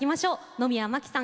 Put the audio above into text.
野宮真貴さん